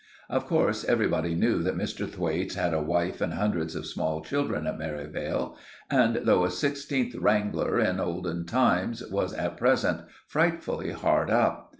Of course, everybody knew that Mr. Thwaites had a wife and hundreds of small children at Merivale, and, though a sixteenth wrangler in olden times, was at present frightfully hard up.